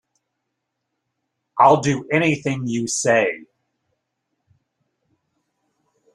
I'll do anything you say.